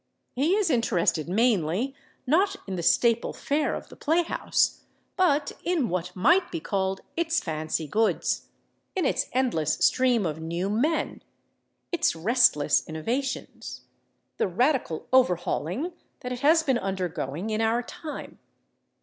He is interested mainly, not in the staple fare of the playhouse, but in what might be called its fancy goods—in its endless stream of new men, its restless innovations, the radical overhauling that it has been undergoing in our time.